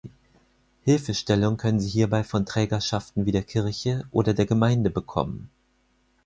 Hilfestellung können sie hierbei von Trägerschaften wie der Kirche oder der Gemeinde bekommen.